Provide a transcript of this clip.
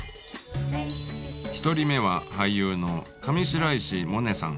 １人目は俳優の上白石萌音さん。